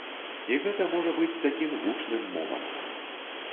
І гэта можа быць такім гучным момантам.